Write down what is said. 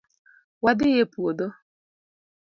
Wadhi e puodho